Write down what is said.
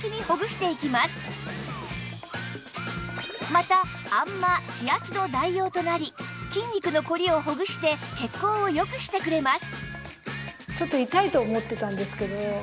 またあんま・指圧の代用となり筋肉のこりをほぐして血行をよくしてくれます